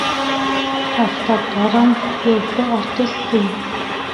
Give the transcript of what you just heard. آفتاب تارڼ یو ښه آرټسټ دی.